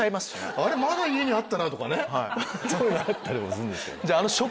「あれまだ家にあったな」とかねそういうのあったりもするんですけど。